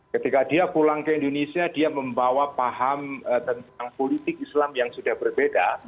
ketika dia pulang ke indonesia dia membawa paham tentang politik islam yang sudah berbeda